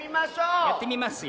やってみますよ。